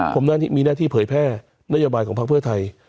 ผมมีหน้าที่เผยแพร่นโยบายของพักเพื่อไทย